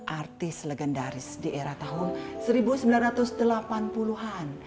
artis legendaris di era tahun seribu sembilan ratus delapan puluh an